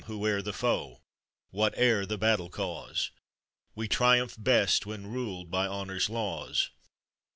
Whoe'er the foe, whate'er the battlp oauao, We triumph best when ruled by honor's laws.